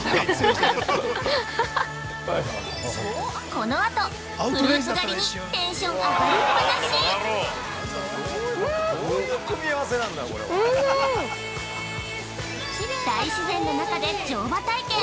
この後、フルーツ狩りに、テンションあがりっぱなし大自然の中で、乗馬体験！